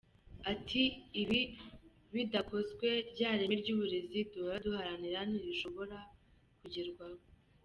Ati « Ibi bidakozwe, rya reme ry’uburezi duhora duharanira ntirishoba kugerwaho.